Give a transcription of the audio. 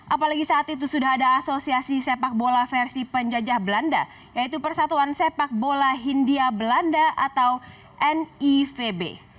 apalagi saat itu sudah ada asosiasi sepak bola versi penjajah belanda yaitu persatuan sepak bola hindia belanda atau nivb